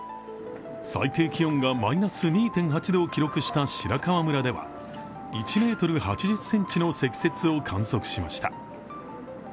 最低気温がマイナス２．８度を記録した白川村では１ｍ８０ｃｍの積雪を観測しました。